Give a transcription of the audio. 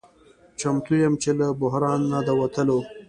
چمتو یم چې له بحران نه د وتلو